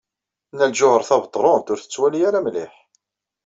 Nna Lǧuheṛ Tabetṛunt ur tettwali ara mliḥ.